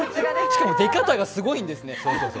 しかも、出方がすごいんですね。